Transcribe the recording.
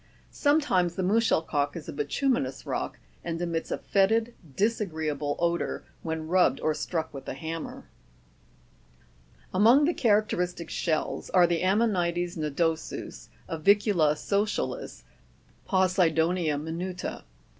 Sometimes the muschelkalk is a bituminous rock, and emits a fetid, disagreea ble odour when rubbed or struck with a hammer. 31. Among the characteristic shells are the tfmmoni'tes nodo'sus (fig. 62) ; Ji'vi'mla socia'lis (fig. 63). Possido'nia minu'ta (fig. 64).